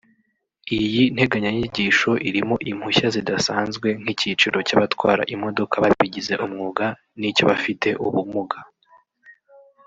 Iyi nteganyanyigisho irimo impushya zidasanzwe nk’icyiciro cy’abatwara imodoka babigize umwuga n’icy’abafite ubumuga